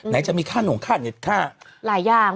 ไหนจะมีข้านมข้าวเน็ตข้าว